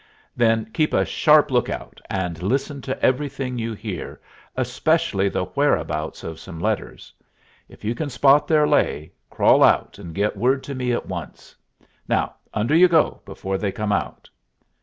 "Then keep a sharp lookout, and listen to everything you hear, especially the whereabouts of some letters. If you can spot their lay, crawl out and get word to me at once. Now, under you go before they come out."